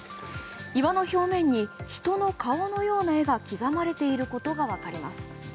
岩の表面に人の顔のような絵が刻まれていることが分かります。